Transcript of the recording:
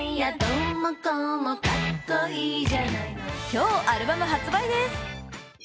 今日アルバム発売です。